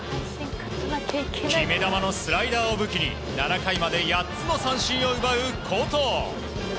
決め球のスライダーを武器に７回まで８つの三振を奪う好投。